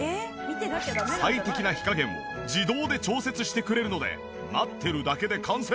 最適な火加減を自動で調節してくれるので待ってるだけで完成。